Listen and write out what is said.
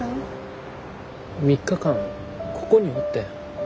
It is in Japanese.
３日間ここにおってん。